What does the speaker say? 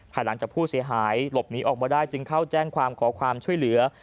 หลังจากผู้เสียหายหลบหนีออกมาได้จึงเข้าแจ้งความขอความช่วยเหลือ